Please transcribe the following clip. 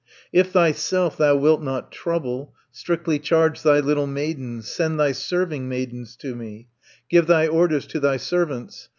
"If thyself thou wilt not trouble, Strictly charge thy little maidens, Send thy serving maidens to me, Give thy orders to thy servants!